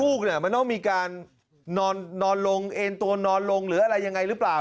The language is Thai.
ลูกเนี่ยมันต้องมีการนอนลงเอ็นตัวนอนลงหรืออะไรยังไงหรือเปล่า